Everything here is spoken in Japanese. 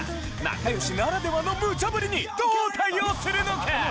仲良しならではのムチャ振りにどう対応するのか！？